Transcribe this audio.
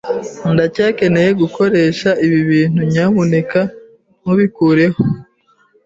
Ndacyakeneye gukoresha ibi bintu, nyamuneka ntubikureho.